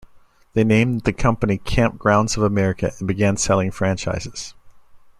They named the company Kampgrounds of America and began selling franchises.